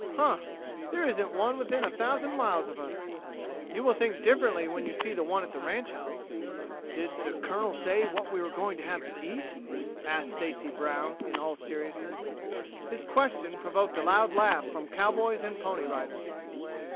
"Huh! There isn't one within a thousand miles of us." "You will think differently when you see the one at the ranch house." "Did did the colonel say what we were going to have to eat?" asked Stacy Brown, in all seriousness. His question provoked a loud laugh from cowboys and Pony Riders.